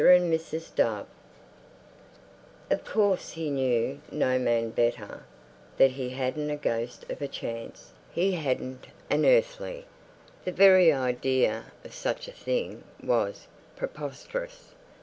and Mrs. Dove Of course he knew—no man better—that he hadn't a ghost of a chance, he hadn't an earthly. The very idea of such a thing was preposterous.